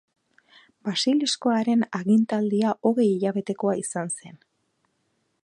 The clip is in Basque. Basiliskoren agintaldia hogei hilabetekoa izan zen.